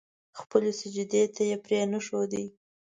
خپلې سجدې ته يې پرې نه ښودې.